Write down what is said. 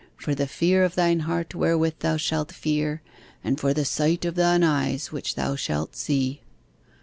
for the fear of thine heart wherewith thou shalt fear, and for the sight of thine eyes which thou shalt see."